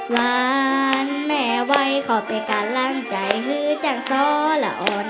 วันแหม่วัยขอเป็นการลังใจมือจังสำละอ่อน